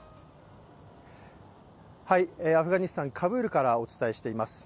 アフガニスタン・カブールからお伝えしています。